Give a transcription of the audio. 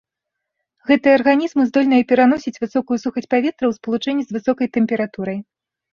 Гэтыя арганізмы здольныя пераносіць высокую сухасць паветра ў спалучэнні з высокай тэмпературай.